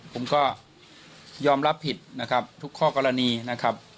ผมก็ยอมรับผิดนะครับทุกข้อกรณีนะครับ